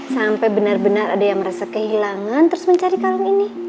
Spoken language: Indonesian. sampai benar benar ada yang merasa kehilangan terus mencari kalung ini